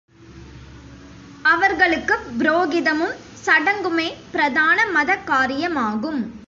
அவர்களுக்குப் புரோகிதமும், சடங்குமே பிரதான மதக் காரியமாகும்.